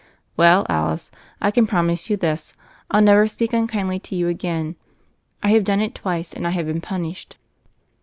"Well, Alice, I can promise you this: I'll never speak unkindly to you again. I have done it twice, and I have been punished."